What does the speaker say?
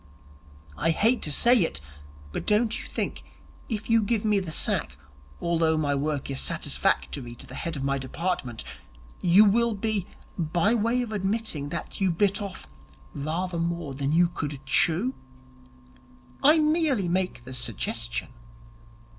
I hate to say it, but don't you think that if you give me the sack, although my work is satisfactory to the head of my department, you will be by way of admitting that you bit off rather more than you could chew? I merely make the suggestion.'